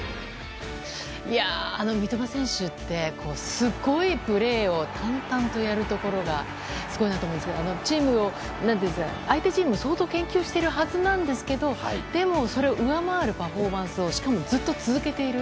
三笘選手って、すごいプレーを淡々とやるところがすごいなと思うんですけれども相手チームも相当研究しているはずですけどそれを上回るパフォーマンスをしかも、ずっと続けている。